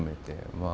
まあ